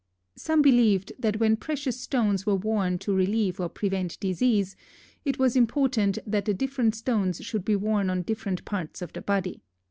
Some believed that when precious stones were worn to relieve or prevent disease, it was important that the different stones should be worn on different parts of the body.